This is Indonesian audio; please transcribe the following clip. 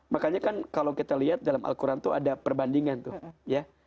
makanya kan kalau kita lihat dalam al quran itu ada perbandingan tuh ya